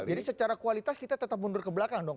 jadi secara kualitas kita tetap mundur ke belakang dong